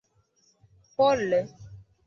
pole